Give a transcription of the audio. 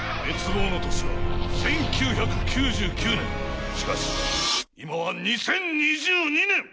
滅亡の年は１９９９年しかし今は２０２２年！